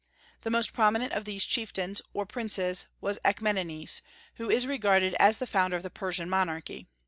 The most prominent of these chieftains or princes was Achaemenes, who is regarded as the founder of the Persian monarchy.